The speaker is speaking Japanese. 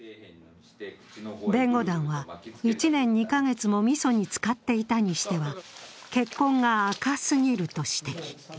弁護団は１年２か月もみそに漬かっていたにしては血痕が赤すぎると指摘。